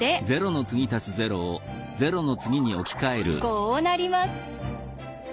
こうなります。